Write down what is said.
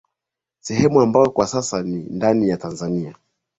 sehemu ambayo kwa sasa ni ndani ya Tanzania